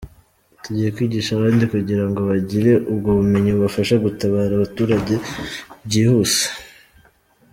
Tugiye kwigisha abandi kugira ngo bagire ubwo bumenyi bubafasha gutabara abaturage byihuse.